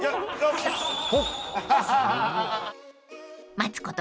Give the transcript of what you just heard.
［待つこと］